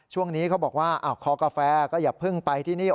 ช่วงนี้เขาบอกว่าคอกาแฟก็อย่าเพิ่งไปที่นี่